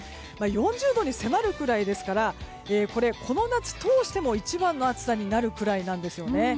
４０度に迫るくらいですからこの夏通しても一番の暑さになるくらいなんですよね。